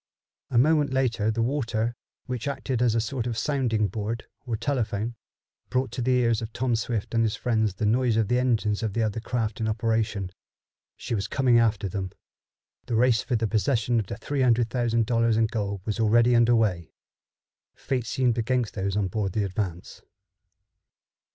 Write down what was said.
A moment later the water, which acted as a sort of sounding board, or telephone, brought to the ears of Tom Swift and his friends the noise of the engines of the other craft in operation. She was coming after them. The race for the possession of three hundred thousand dollars in gold was already under way. Fate seemed against those on board the Advance.